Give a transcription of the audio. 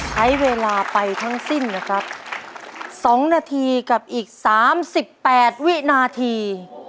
ใช้เวลาไปทั้งสิ้นนะครับ๒นาทีกับอีก๓๘วินาที